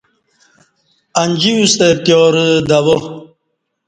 انجی یوستہ پتیارہ دوا